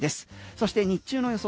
そして日中の予想